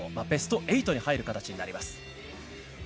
ベスト８に入る形になります。